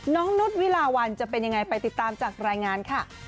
น้องนุสวีราวัลจะเป็นยังไงไปติดตามจากรายงาน